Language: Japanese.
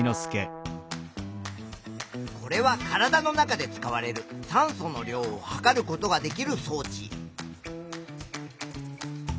これは体の中で使われる酸素の量を測ることができる装置。